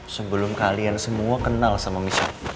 sebelum kalian semua kenal sama mishak